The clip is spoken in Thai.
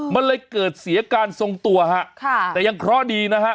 มันเลยเกิดเสียการทรงตัวฮะค่ะแต่ยังเคราะห์ดีนะฮะ